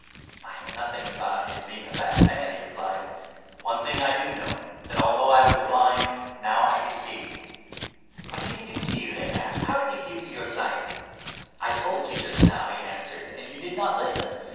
" I know nothing about his being a bad man," he replied ; 25 JOHN, 9—10. 185 "one thing I do know, that although I was blind, now I can see. "" What did he do to you ?" they asked. " How did he give 26 you your sight ?"" I told you just now," he answered, "and you did not listen.